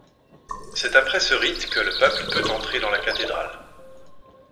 C'est après ce rite que le peuple peut entrer dans la cathédrale.